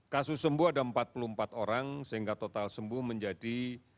kasus sembuh ada empat puluh empat orang sehingga total sembuh menjadi satu satu ratus lima puluh satu